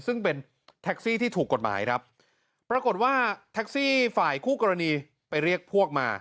ซึ่งเป็นแท็กซี่ที่ถูกกฎหมายครับปรากฏว่าแท็กซี่ฝ่ายคู่กรณีไปเรียกพวกมา